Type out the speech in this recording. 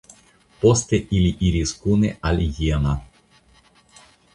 Poste ili iris kune al Jena.